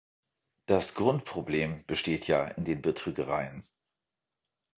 Das Grundproblem besteht ja in den Betrügereien.